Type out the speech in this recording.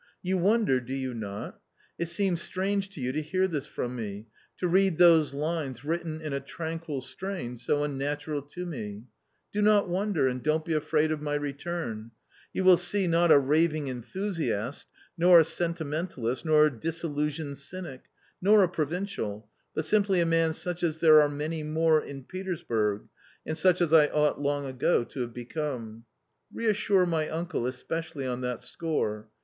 " You wonder, do you not ? It seems strange to you to hear this from me — to read those lines written in a tranquil strain so unnatural to me ? Do not wonder, and don't be afraid of my return ; you will see, not a raving enthusiast, nor a sentimentalist, nor a disillusioned cynic, nor a pro vincial, but simply a man such as there are many more in Petersburg, and such as I ought long ago to have become. Reassure my uncle especially on that score.